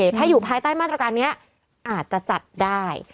ถ้าอยู่ภายใต้มาตรการนี้อาจจะจัดได้